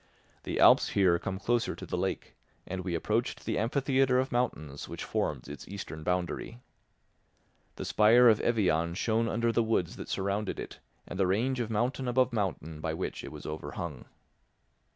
The Alps here come closer to the lake, and we approached the amphitheatre of mountains which forms its eastern boundary. The spire of Evian shone under the woods that surrounded it and the range of mountain above mountain by which it was overhung.